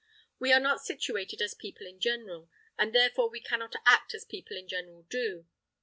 We are not situated as people in general, and therefore we cannot act as people in general do.